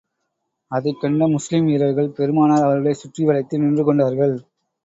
அதைக் கண்ட முஸ்லிம் வீரர்கள் பெருமானார் அவர்களைச் சுற்றி வளைத்து நின்று கொண்டார்கள்.